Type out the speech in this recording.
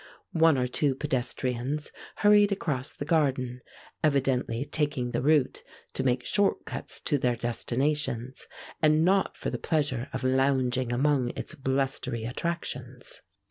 One or two pedestrians hurried across the garden, evidently taking the route to make shortcuts to their destinations, and not for the pleasure of lounging among its blustery attractions.